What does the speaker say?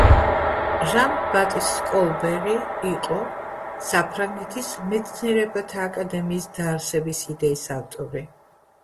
ჟან-ბატისტ კოლბერი იყო საფრანგეთის მეცნიერებათა აკადემიის დაარსების იდეის ავტორი.